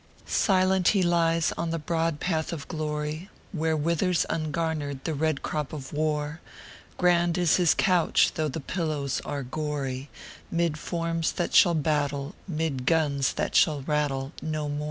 Silent he lies on the broad path of glory, Where withers ungarnered the red crop of war. Grand is his couch, though the pillows are gory, Mid forms that shall battle, mid guns that shall rattle No more.